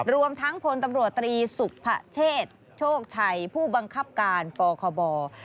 รวมทั้งพลตำรวจตรีสุภเชษโชคชัยผู้บังคับการปคบ